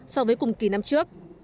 so với cùng kỳ năm trước